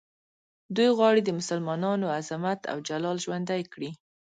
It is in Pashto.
دوی غواړي د مسلمانانو عظمت او جلال ژوندی کړي.